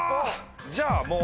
じゃあもう。